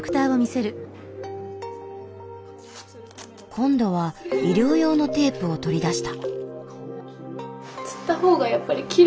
今度は医療用のテープを取り出した。